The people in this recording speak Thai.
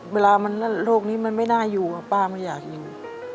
เวลามันโรคนี้มันไม่น่าอยู่ป้าไม่อยากอยู่